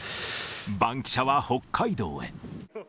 バンキシャは北海道へ。